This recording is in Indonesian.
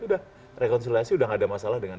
udah rekonsiliasi udah gak ada masalah dengan